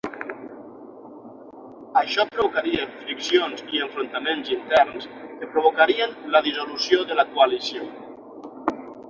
Això provocaria friccions i enfrontaments interns que provocarien la dissolució de la coalició.